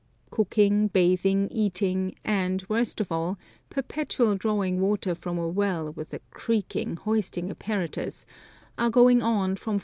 Cooking, bathing, eating, and, worst of all, perpetual drawing water from a well with a creaking hoisting apparatus, are going on from 4.